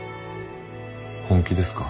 本気ですか？